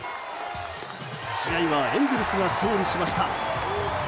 試合はエンゼルスが勝利しました。